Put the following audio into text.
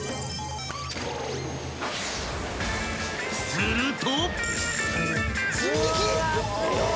［すると］